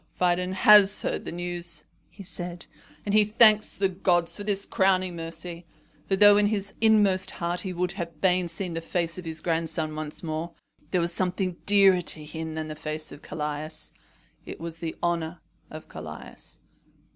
"Phidon has heard the news," he said, "and he thanks the gods for this crowning mercy. For though in his inmost heart he would fain have seen the face of his grandson once more, there was something dearer to him than the face of Callias it was the honour of Callias."